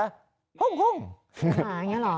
เสียหมาอย่างนี้หรอ